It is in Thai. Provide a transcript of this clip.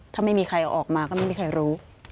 ถ้าไม่มีใครออกมาก็ไม่มีใครรู้